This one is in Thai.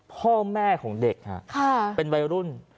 พ่อแม่ของเด็กเป็นวัยรุ่น